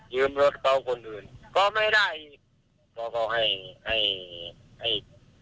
ยืมรถเขาคนอื่นก็ไม่ได้พ่อกำลังให้ให้ให้